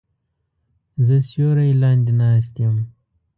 زه سیوری لاندې ناست یم